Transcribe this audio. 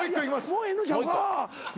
もうええのちゃうか？